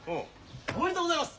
おめでとうございます。